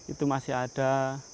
itu masih ada